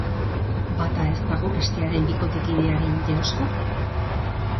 Bata ez dago bestearen bikotekidearen jeloskor?